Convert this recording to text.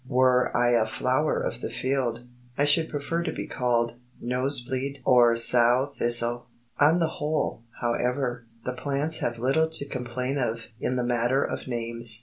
Were I a flower of the field, I should prefer to be called "nose bleed" or "sow thistle." On the whole, however, the plants have little to complain of in the matter of names.